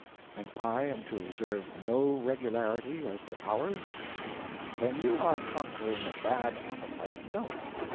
'And I am to observe no regularity, as to hours?' 'When you are conquering a bad appetite no.